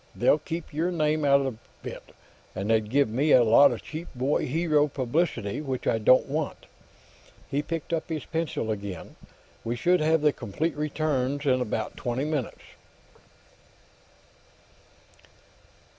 They'll keep your name out of it, but they'd give me a lot of cheap boy hero publicity, which I don't want." He picked up his pencil again. "We should have the complete returns in about twenty minutes."